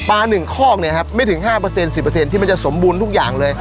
ปลาหนึ่งข้องเนี่ยครับไม่ถึงห้าเปอร์เซ็นต์สิบเปอร์เซ็นต์ที่มันจะสมบูรณ์ทุกอย่างเลย